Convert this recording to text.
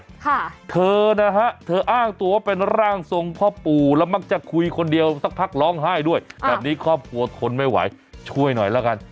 ค่ะเธอนะฮะเธออ้างตัวเป็นร่างทรงพ่อปู่แล้วมักจะคุยคนเดียวสักพักร้องไห้ด้วยแบบนี้ครอบครัวทนไม่ไหวช่วยหน่อยแล้วกัน